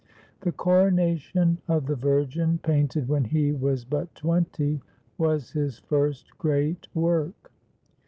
The Coronation of the Virgin, painted when he was but twenty, was his first great work.